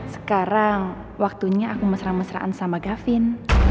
sekarang waktunya aku mesra mesraan sama gavin